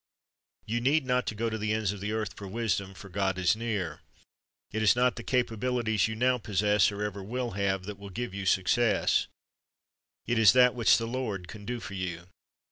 You need not go to the ends of the earth for wisdom, for God is near. It is not the capabilities you now possess, or ever will have, that will give you success. It is that which the Lord can do for you.